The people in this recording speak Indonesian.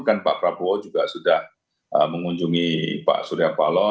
kan pak prabowo juga sudah mengunjungi pak surya paloh